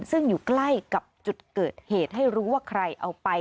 ซึ่งอยู่ใกล้กับจุดเกิดเหตุให้รู้ว่าใครเอาไป